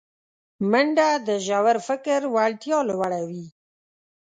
منډه د ژور فکر وړتیا لوړوي